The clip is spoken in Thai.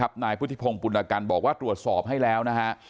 บางคมนายพุธิพงศ์ปุรกัณฑ์บอกว่าตรวจสอบให้แล้ว